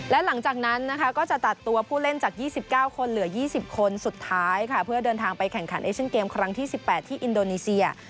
และหลังจากนั้นนะคะก็จะตัดตัวผู้เล่นจาก๒๙คนเหลือ๒๐คนสุดท้ายค่ะเพื่อเดินทางไปแข่งขันเอเชียนเกมครั้งที่๑๘ที่อินโดนีเซีย